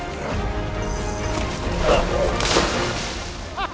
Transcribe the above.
あっ！